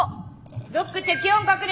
ドック適温確認！